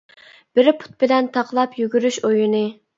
بىر پۇت بىلەن تاقلاپ يۈگۈرۈش ئويۇنى.